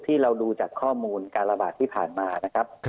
ที่เราดูจากข้อมูลการระบาดที่ผ่านมานะครับ